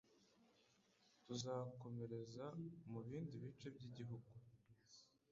tuzakomereza mu bindi bice by'igihugu.